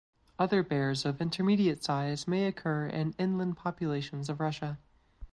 Other bears of intermediate size may occur in inland populations of Russia.